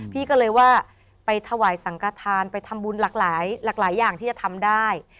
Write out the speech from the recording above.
พี่ก็เลยว่าไปถวายสังกฐานไปทำบุญหลากหลายหลากหลายอย่างที่จะทำได้